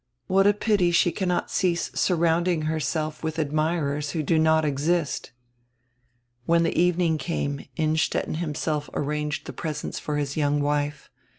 What a pity she cannot cease surrounding herself with admirers who do not exist.!" When die evening came Innstetten himself arranged die presents for his young wife.